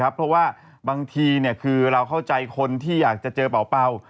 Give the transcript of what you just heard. เพราะว่าบางทีคือเราเข้าใจคนที่อยากจะเจอเป่า